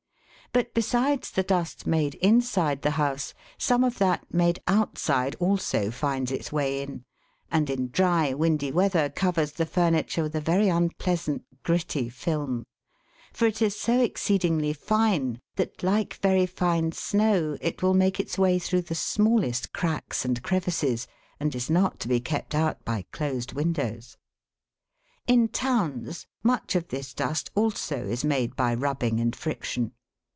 But besides the dust made inside the house, some of that made outside also finds its way in, and in dry, windy weather covers the furniture with a very unpleasant gritty film ; for it is so exceedingly fine that, like very fine snow, it will make its way through the smallest cracks and crevices, and is not to be kept out by closed windows. In towns, much of this dust also is made by rubbing and friction.